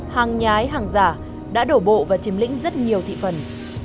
hàng nhái hàng giả đã đổ bộ và chiếm lĩnh rất nhiều thị phần